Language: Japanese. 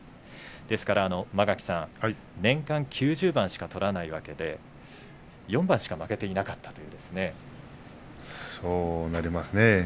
ですから、間垣さん年間９０番しか取らないわけで４番しか負けていなかったということですね。